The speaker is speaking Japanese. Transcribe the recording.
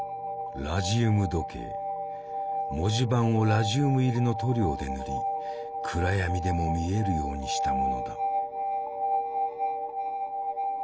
文字盤をラジウム入りの塗料で塗り暗闇でも見えるようにしたものだ。